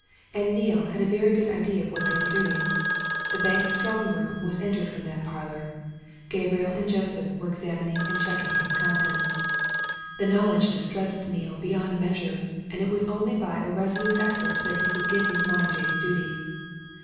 And Neale had a very good idea of what they were doing. The bank's strong room was entered from that parlour Gabriel and Joseph were examining and checking its contents. The knowledge distressed Neale beyond measure, and it was only by a resolute effort that he could give his mind to his duties.